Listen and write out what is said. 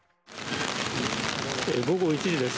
午後１時です。